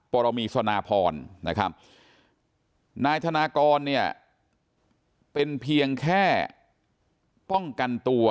ปรมีสนาพรนะครับนายธนากรเนี่ยเป็นเพียงแค่ป้องกันตัว